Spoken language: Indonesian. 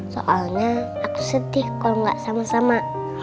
soalnya aku sedih kalau nggak sama sama